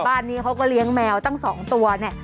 บ้านนี้เขาก็เลี้ยงแมวตั้ง๒ตัวเนี่ย